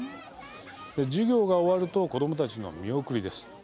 授業が終わると子どもたちの見送りです。